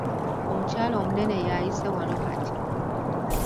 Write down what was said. Omukyala omunene yaayise wano kati.